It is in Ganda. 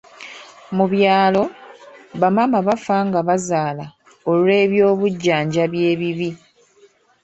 Mu byalo, bamaama bafa nga bazaala olw'ebyobujjanjabi ebibi.